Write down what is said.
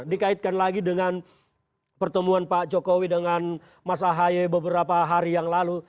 dikaitkan lagi dengan pertemuan pak jokowi dengan mas ahaye beberapa hari yang lalu